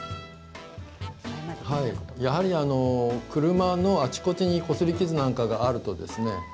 やはり、あの車のあちこちにこすり傷なんかがあるとですね